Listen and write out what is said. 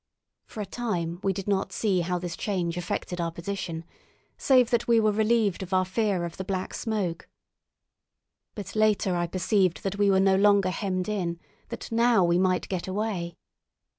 For a time we did not see how this change affected our position, save that we were relieved of our fear of the Black Smoke. But later I perceived that we were no longer hemmed in, that now we might get away.